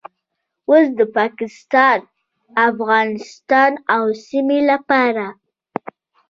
اوس د پاکستان، افغانستان او سیمې لپاره